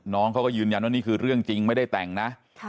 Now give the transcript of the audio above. น้องเขาก็ยืนยันว่านี่คือเรื่องจริงไม่ได้แต่งนะ